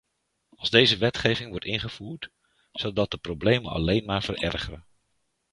Als deze wetgeving wordt ingevoerd, zal dat de problemen alleen maar verergeren.